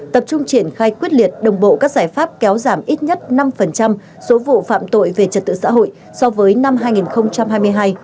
tập trung triển khai quyết liệt đồng bộ các giải pháp kéo giảm ít nhất năm số vụ phạm tội về trật tự xã hội so với năm hai nghìn hai mươi hai